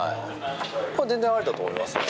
全然ありだと思いますね。